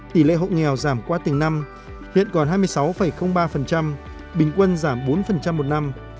tỷ lệ hộ nghèo giảm qua từng năm huyện còn hai mươi sáu ba bình quân giảm bốn một năm